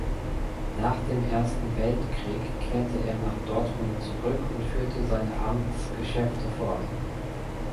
Nach dem Ersten Weltkrieg kehrte er nach Dortmund zurück und führte seine Amtsgeschäfte fort.